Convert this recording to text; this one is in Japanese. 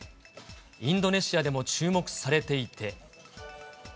インドネシアでも注目されていて。